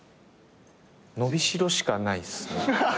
伸びしろしかないっすね。